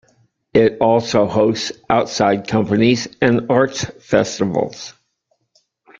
It also hosts outside companies and arts festivals.